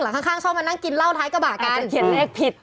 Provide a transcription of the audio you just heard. หลังข้างชอบมานั่งกินเล่าไทยกระบาดการจัดเขียนแอบผิด